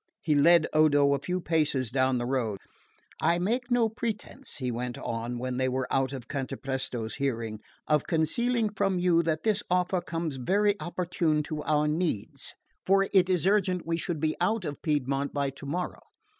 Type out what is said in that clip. he led Odo a few paces down the road. "I make no pretence," he went on when they were out of Cantapresto's hearing, "of concealing from you that this offer comes very opportune to our needs, for it is urgent we should be out of Piedmont by tomorrow.